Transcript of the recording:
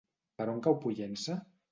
Per on cau Pollença?